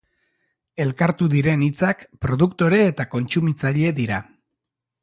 Elkartu diren hitzak, produktore eta kontsumitzaile dira.